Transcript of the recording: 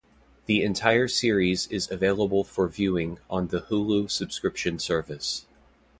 The entire series is available for viewing on the Hulu subscription service.